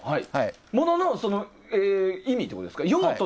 ものの意味ってことですか？